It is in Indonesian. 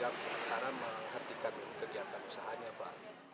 agar sementara menghentikan kegiatan usahanya